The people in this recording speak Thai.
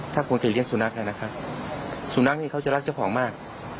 ถ้าปกติเลี้ยสุนัขนะครับสุนัขนี่เขาจะรักเจ้าของมาก